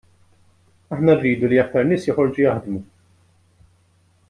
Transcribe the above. Aħna rridu li aktar nies joħorġu jaħdmu.